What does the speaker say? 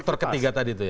faktor ketiga tadi itu ya